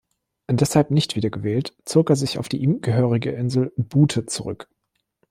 Deshalb nicht wieder gewählt, zog er sich auf die ihm gehörige Insel Bute zurück.